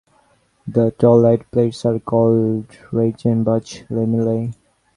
The troilite plates are called "Reichenbach lamellae".